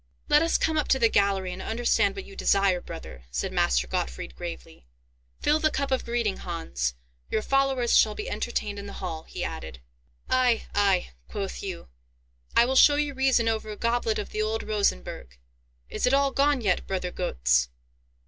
"Let us come up to the gallery, and understand what you desire, brother," said Master Gottfried, gravely. "Fill the cup of greeting, Hans. Your followers shall be entertained in the hall," he added. "Ay, ay," quoth Hugh, "I will show you reason over a goblet of the old Rosenburg. Is it all gone yet, brother Goetz?